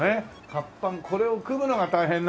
活版これを組むのが大変なんだよね。